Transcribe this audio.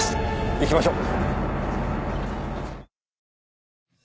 行きましょう。